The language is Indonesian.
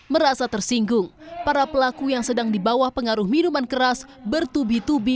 merasa tersinggung para pelaku yang sedang di bawah pengaruh minuman keras bertubi tubi